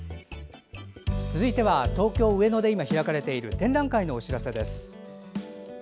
続いては東京・上野で開かれている展覧会のお知らせです。